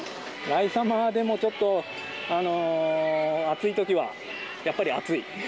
ライサマーでも、ちょっと、暑いときは、やっぱり暑い。